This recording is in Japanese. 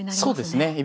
そうですね。